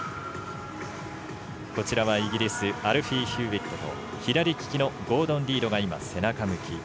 イギリスアルフィー・ヒューウェットと左利きのゴードン・リードが背中向き。